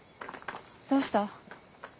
どうした？